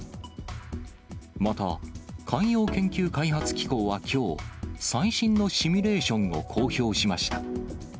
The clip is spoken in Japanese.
また、海洋研究開発機構はきょう、最新のシミュレーションを公表しました。